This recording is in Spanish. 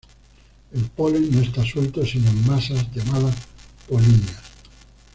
El polen no está suelto sino en masas llamadas polinias.